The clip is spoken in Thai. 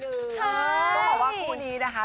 ก็บอกว่าคู่นี้นะคะ